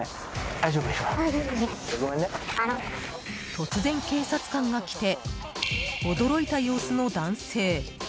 突然、警察官が来て驚いた様子の男性。